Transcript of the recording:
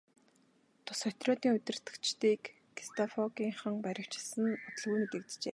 Тус отрядын удирдагчдыг гестапогийнхан баривчилсан нь удалгүй мэдэгджээ.